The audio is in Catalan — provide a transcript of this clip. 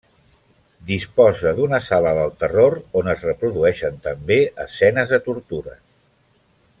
Disposa d'una sala del terror, on es reprodueixen també escenes de tortures.